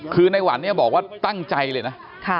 คือในหวันเนี่ยบอกว่าตั้งใจเลยนะ